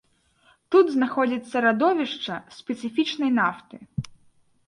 Тут знаходзіцца радовішча спецыфічнай нафты.